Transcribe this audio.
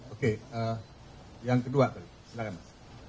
oke yang kedua tadi silahkan mas